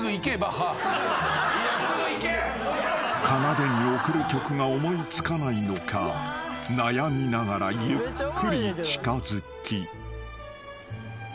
［かなでに贈る曲が思い付かないのか悩みながらゆっくり近づき］